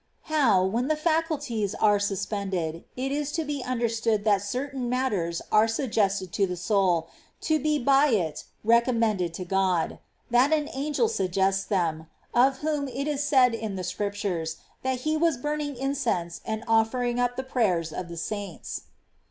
14. How, when the faculties are suspended, it is to be understood that certain matters are suggested to the soul, to be by it recommended to Grod ; that an angel suggests them, of whom it is said in the Scriptures that he was burning incense and offering up the prayers of the saints."